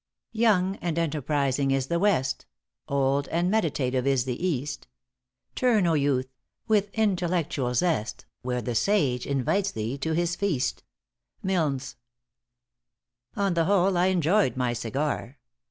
* Young and enterprising is the West, Old and meditative is the East. Turn, O youth! with intellectual zest Where the sage invites thee to his feast. Milnes. On the whole, I enjoyed my cigar.